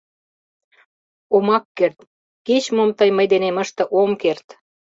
Омак керт, кеч-мом тый мый денем ыште, ом керт!..